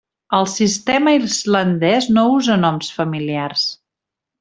El sistema islandès no usa noms familiars.